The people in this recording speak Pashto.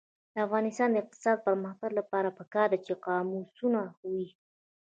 د افغانستان د اقتصادي پرمختګ لپاره پکار ده چې قاموسونه وي.